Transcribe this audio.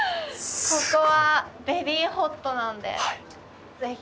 ここはベリーホットなのでぜひ。